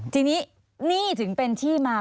ทีนี้นี่ถึงเป็นที่มา